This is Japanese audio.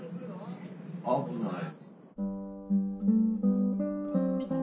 危ない！